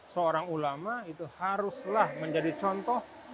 seorang ulama itu haruslah menjadi contoh